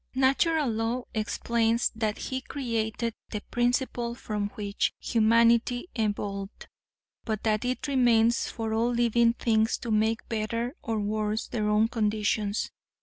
"Natural Law explains that He created the principle from which humanity evolved, but that it remains for all living things to make better or worse their own conditions.